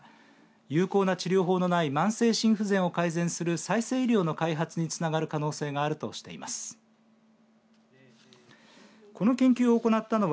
有効な治療法のない慢性心不全を改善する再生医療の開発につながる可能性があるとしています。